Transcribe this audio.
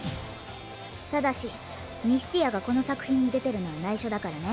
ただしミスティアがこのさくひんにでてるのはないしょだからね。